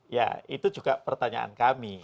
ya itu juga pertanyaan kami